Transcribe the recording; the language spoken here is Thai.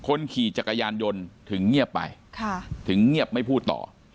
คนขี่จักรยานยนต์ถึงเงียบไปถึงเงียบไม่พูดต่อ